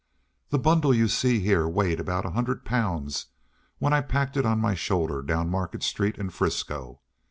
The bundle you see here weighed about a hundred pounds when I packed it on my shoulder down Market Street in Frisco.